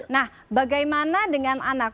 nah bagaimana dengan anak